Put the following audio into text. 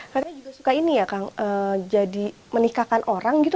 katanya juga suka ini ya kang jadi menikahkan orang gitu